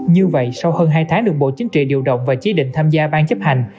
như vậy sau hơn hai tháng được bộ chính trị điều động và chế định tham gia ban chấp hành